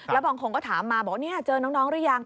แล้วบางคนก็ถามมาบอกว่าเจอน้องหรือยัง